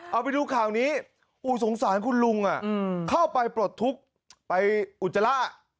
เอาไปดูข่าวนี้สงสารคุณลุงเข้าไปปลดทุกข์ไปอุจจาระ